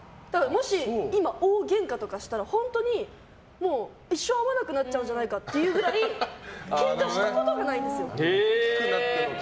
もし今、大ゲンカとかしたら本当に一生会わなくなっちゃうんじゃないかってくらいケンカしたことがないです。